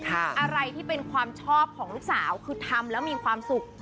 อะไรที่เป็นความชอบของลูกสาวคือทำแล้วมีความสุข